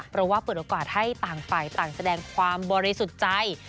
เพราะว่าเปิดโอกาสให้ต่างฝ่ายต่างแสดงความบริสุทธิ์ใจ